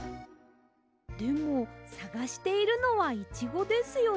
でもさがしているのはイチゴですよね。